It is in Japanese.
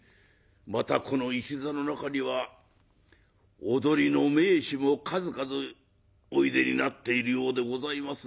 またこの一座の中には踊りの名手も数々おいでになっているようでございます。